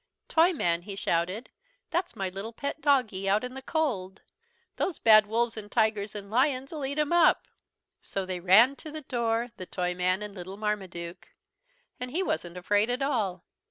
"Toyman," he shouted, "that's my little pet doggie, out in the cold. Those bad wolves an' tigers an' lions 'll eat him up." So they ran to the door, the Toyman and little Marmaduke. And he wasn't afraid at all.